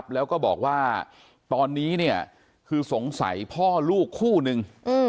แล้วก็บอกว่าตอนนี้คือสงสัยพ่อลูกคู่นึง